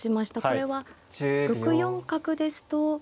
これは６四角ですと。